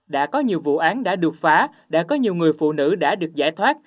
đã có nhiều vụ án đã đột phá đã có nhiều người phụ nữ đã được giải thoát